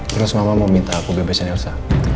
terus mama mau minta aku bebasin elsa